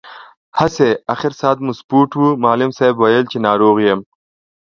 هسې، اخر ساعت مو سپورټ و، معلم صاحب ویل چې ناروغ یم.